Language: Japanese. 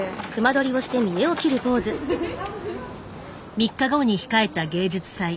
３日後に控えた芸術祭。